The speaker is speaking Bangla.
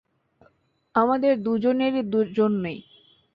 আমাদের দুজনের জন্যেই।